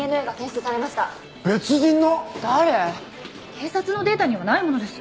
警察のデータにはないものです。